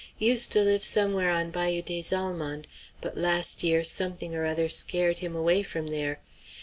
Used to live somewhere on Bayou des Allemands, but last year something or other scared him away from there.